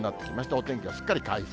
お天気はすっかり回復。